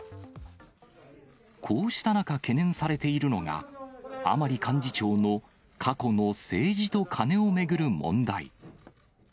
こうした中、懸念されているのが、甘利幹事長の過去の政治とカネを巡る問題。